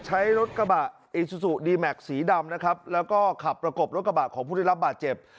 ใช้รถกระบะอิซูซูดีแม็กซ์สีดำนะครับแล้วก็ขับประกบรถกระบะของผู้ได้รับบาดเจ็บ